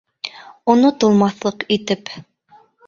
Онотолмаҫлыҡ итеп.